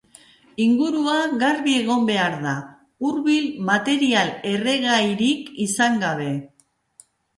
Ingurua garbi egon behar da, hurbil material erregairik izan gabe.